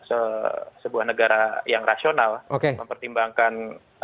jadi berperilaku sebagaimana sebuah negara yang rasional mempertimbangkan